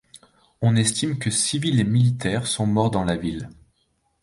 On estime que civils et militaires sont morts dans la ville.